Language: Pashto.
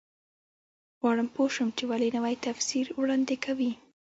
غواړم پوه شم چې ولې نوی تفسیر وړاندې کوي.